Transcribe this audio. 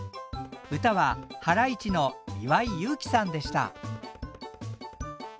歌はハライチの岩井勇気さんでした。